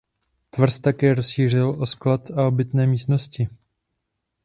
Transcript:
Tvrz také rozšířil o sklad a obytné místnosti.